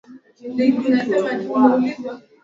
chemsha viazi kwa maji machache ili virutubisho visipotee